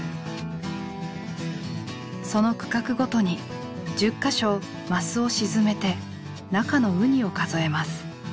その区画ごとに１０か所マスを沈めて中のウニを数えます。